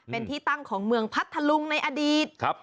เป็นที่ตั้งของเมืองพัทธลุงในอดีต